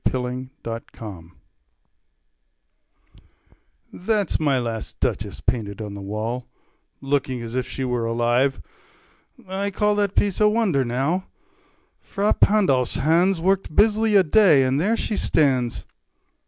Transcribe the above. MY LAST DUCHESS Ferrara That's my last Duchess painted on the wall, Looking as if she were alive. I call That piece a wonder, now: Fra Pandolf's hands Worked busily a day, and there she stands.